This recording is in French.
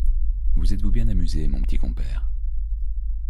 Vous êtes-vous bien amusé, mon petit compère?